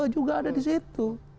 juga ada disitu